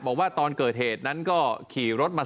บอกว่าตอนเกิดเหตุนั้นก็ขี่รถมา